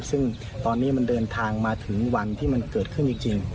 ซึ่งตอนนี้มันเดินทางมาถึงวันที่มันเกิดขึ้นจริง